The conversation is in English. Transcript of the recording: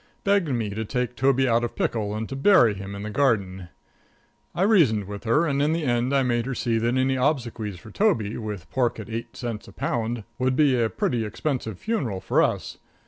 Begged me to take Toby out of pickle and to bury him in the garden. I reasoned with her, and in the end I made her see that any obsequies for Toby, with pork at eight cents a pound, would be a pretty expensive funeral for us.